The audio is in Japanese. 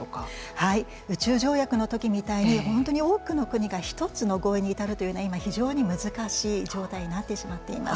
宇宙条約の時みたいに本当に多くの国が一つの合意に至るというのが今、非常に難しい状態になってしまっています。